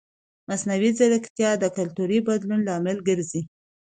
مصنوعي ځیرکتیا د کلتوري بدلون لامل ګرځي.